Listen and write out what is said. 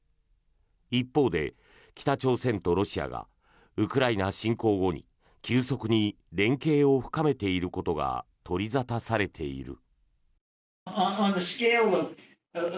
一方で北朝鮮とロシアがウクライナ侵攻後に急速に連携を深めていることが取り沙汰されている。